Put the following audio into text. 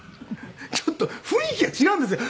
ちょっと雰囲気が違うんですよ。